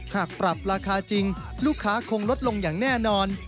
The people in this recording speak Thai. หากปรับราคาจริงลูกค้าคงลดลงอย่างแน่นอน